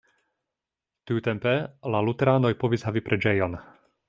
Tiutempe la luteranoj povis havi preĝejon.